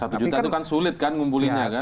satu juta itu kan sulit kan ngumpulinnya kan